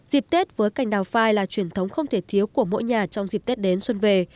dịp tết với cành đào phai là truyền thống không thể thiếu của mỗi nhà trong dịp tết đến xuân về